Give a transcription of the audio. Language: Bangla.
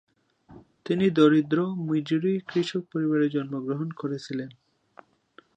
তিনি দরিদ্র মিজুরি কৃষক পরিবারে জন্মগ্রহণ করেছিলেন।